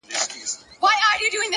زلفي راټال سي گراني!